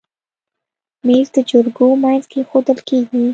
مېز د جرګو منځ کې ایښودل کېږي.